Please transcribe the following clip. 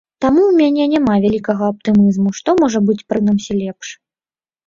Таму ў мяне няма вялікага аптымізму, што можа быць прынамсі лепш.